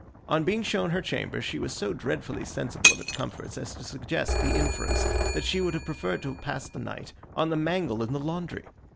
On being shown her chamber, she was so dreadfully sensible of its comforts as to suggest the inference that she would have preferred to pass the night on the mangle in the laundry.